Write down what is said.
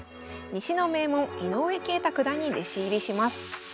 西の名門井上慶太九段に弟子入りします。